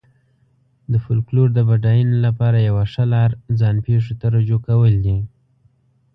د فولکلور د بډاینې لپاره یوه ښه لار ځان پېښو ته رجوع کول دي.